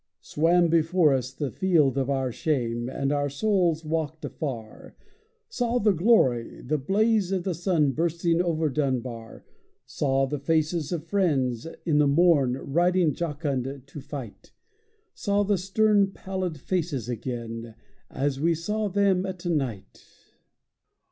Swam before us the field of our shame, and our souls walked afar; Saw the glory, the blaze of the sun bursting over Dunbar; Saw the faces of friends, in the morn riding jocund to fight; Saw the stern pallid faces again, as we saw them at night!